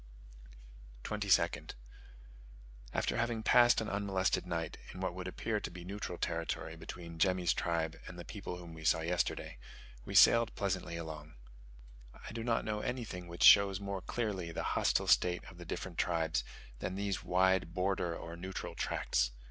22nd. After having passed an unmolested night, in what would appear to be neutral territory between Jemmy's tribe and the people whom we saw yesterday, we sailed pleasantly along. I do not know anything which shows more clearly the hostile state of the different tribes, than these wide border or neutral tracts.